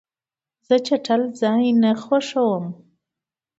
زه چټل ځای نه خوښوم.